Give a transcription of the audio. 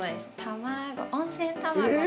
卵、温泉卵の。